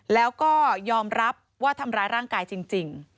แล้วก็ยอมรับว่าทำร้ายร่างกายจริง